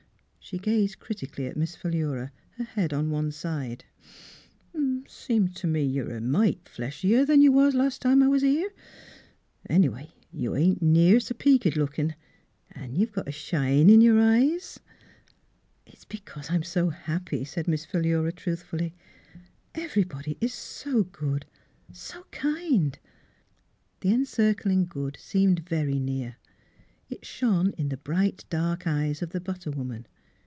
She gazed critically at Miss Philura, her head on one side. " Seems t' me you're a mite fleshier than you was las' time I was here. Any way, you ain't near s' peaked lookin' an' you've got a shine in your eyes —"" It's because I'm so happy," said Miss Miss Fhilura's Wedding Gown Philura truthfully. "Everybody is so good — so kind !" The Encircling Good seemed very near. It shone in the bright dark eyes of the butter woman.